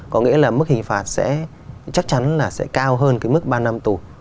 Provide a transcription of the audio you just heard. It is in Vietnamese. có nghĩa là mức hình phạt sẽ chắc chắn là sẽ cao hơn cái mức ba năm tù